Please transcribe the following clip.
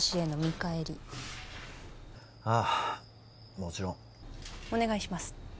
もちろんお願いします